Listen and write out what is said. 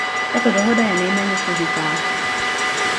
Tato dohoda je nejméně složitá.